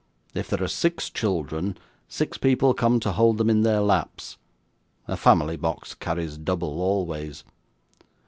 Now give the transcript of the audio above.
If there are six children, six people come to hold them in their laps. A family box carries double always.